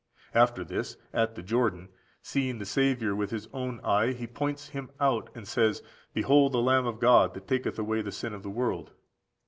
After this, at the Jordan, seeing the Saviour with his own eye, he points Him out, and says, "Behold the Lamb of God, that taketh away the sin of the world!"